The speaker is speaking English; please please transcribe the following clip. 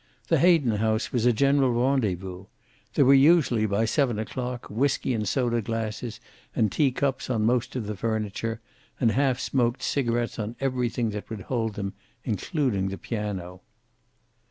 The Hayden house was a general rendezvous. There were usually, by seven o'clock, whiskey and soda glasses and tea cups on most of the furniture, and half smoked cigarets on everything that would hold them, including the piano.